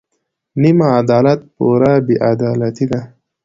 نیم عدالت پوره بې عدالتي ده.